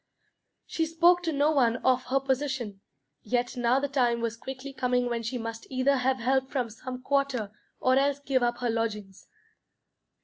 She spoke to no one of her position. Yet now the time was quickly coming when she must either have help from some quarter or else give up her lodgings.